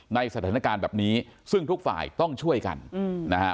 ในสถานการณ์แบบนี้ซึ่งทุกฝ่ายต้องช่วยกันนะฮะ